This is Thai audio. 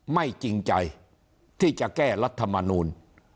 ไม่จริงใจที่จะแก้รัฐมนูล